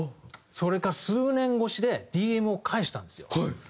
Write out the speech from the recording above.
それから数年越しでＤＭを返したんですよ。